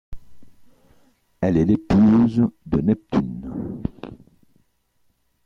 Elle est l’épouse de Neptune.